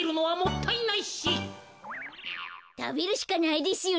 たべるしかないですよね。